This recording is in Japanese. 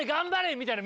みたいなん